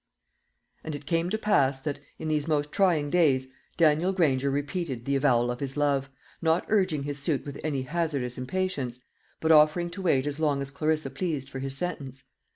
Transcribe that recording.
And it came to pass that, in these most trying days, Daniel Granger repeated the avowal of his love, not urging his suit with any hazardous impatience, but offering to wait as long as Clarissa pleased for his sentence.